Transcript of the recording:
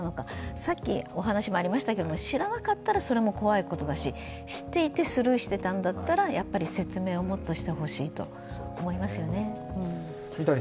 さっきお話もありましたけれども、知らなかったらそれも怖いことだし知っていてスルーしていたんだったら、やはり説明をもっとしてほしいと思いますよね。